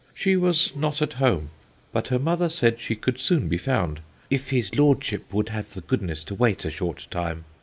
She was not at home; but her mother said she could soon be found, 'if his lordship would have the goodness to wait a short time.'